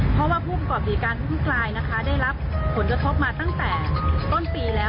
เพราะว่าผู้ประกอบดีการทุกรายนะคะได้รับผลกระทบมาตั้งแต่ต้นปีแล้ว